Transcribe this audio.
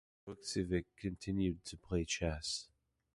Vukcevich continued to play chess.